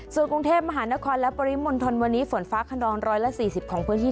ส่วนกรุงเทพมหานครและปริมณฑลวันนี้ฝนฟ้าขนอง๑๔๐ของพื้นที่